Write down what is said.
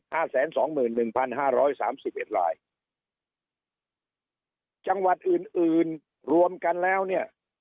แสนสองหมื่นหนึ่งพันห้าร้อยสามสิบเอ็ดลายจังหวัดอื่นอื่นรวมกันแล้วเนี่ย